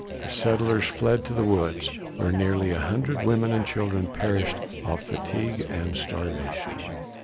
The settlers fled to the woods, where nearly a hundred women and children perished of fatigue and starvation.